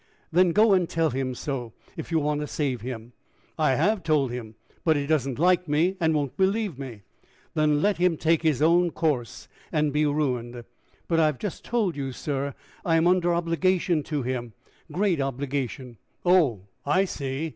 "Then go and tell him so, if you want to save him." "I have told him. But he does not like me, and won't believe me." "Then let him take his own course, and be ruined." "But I have just told you, sir, I am under obligation to him great obligation!" "Oh! I see!